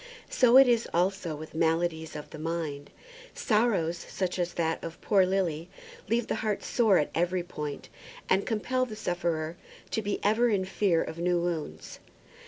So it is also with maladies of the mind. Sorrows such as that of poor Lily's leave the heart sore at every point, and compel the sufferer to be ever in fear of new wounds.